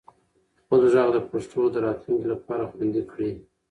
خپل ږغ د پښتو د راتلونکي لپاره خوندي کړئ.